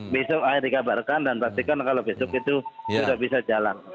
besok akhirnya dikabarkan dan pastikan kalau besok itu sudah bisa jalan